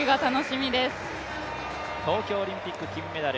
東京オリンピック金メダル